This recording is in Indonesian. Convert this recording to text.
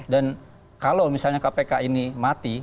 dan kalau misalnya kpk ini mati